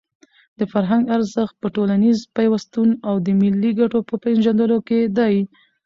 د فرهنګ ارزښت په ټولنیز پیوستون او د ملي ګټو په پېژندلو کې دی.